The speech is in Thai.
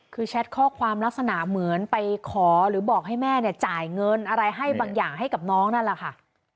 คือแชทข้อความลักษณะเหมือนไปขอหรือบอกให้แม่เนี่ยจ่ายเงินอะไรให้บางอย่างให้กับน้องนั่นแหละค่ะ